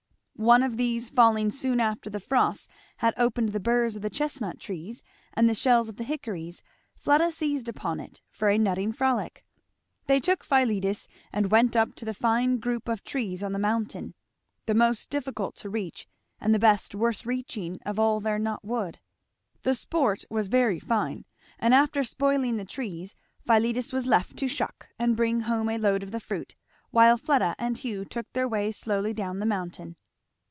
One of these falling soon after the frosts had opened the burrs of the chestnut trees and the shells of the hickories, Fleda seized upon it for a nutting frolic. They took Philetus and went up to the fine group of trees on the mountain, the most difficult to reach and the best worth reaching of all their nut wood. The sport was very fine; and after spoiling the trees Philetus was left to "shuck" and bring home a load of the fruit; while Fleda and Hugh took their way slowly down the mountain.